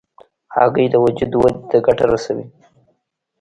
هګۍ د وجود ودې ته ګټه رسوي.